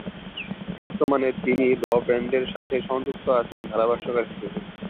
বর্তমানে তিনি র ব্র্যান্ডের সাথে সংযুক্ত আছেন ধারাভাষ্যকার হিসেবে।